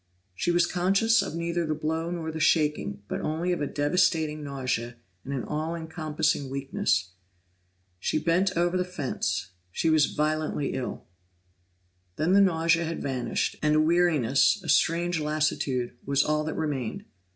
She was conscious of neither the blow nor the shaking, but only of a devastating nausea and an all encompassing weakness. She bent over the fence; she was violently ill. Then the nausea had vanished, and a weariness, a strange lassitude, was all that remained.